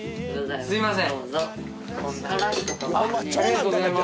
すいません